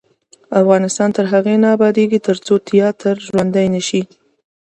افغانستان تر هغو نه ابادیږي، ترڅو تیاتر ژوندی نشي.